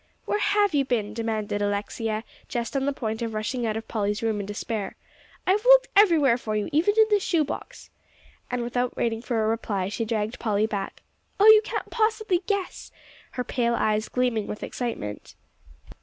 "Where have you been?" demanded Alexia, just on the point of rushing out of Polly's room in despair. "I've looked everywhere for you, even in the shoe box." And without waiting for a reply, she dragged Polly back. "Oh, you can't possibly guess!" her pale eyes gleaming with excitement.